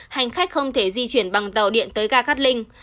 hành khách không thể di chuyển bằng tàu điện tới ga cát linh